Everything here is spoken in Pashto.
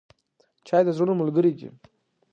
چای د زړونو ملګری دی.